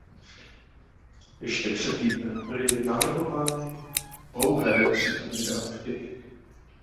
Ještě před týdnem byly navrhovány pouhé tři kandidátky.